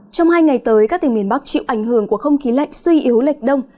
trong hai ngày tới các tỉnh miền bắc chịu ảnh hưởng của không khí lạnh suy yếu lệch đông